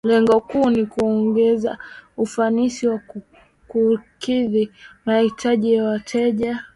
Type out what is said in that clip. lengo kuu ni kuongeza ufanisi na kukidhi mahitaji ya wateja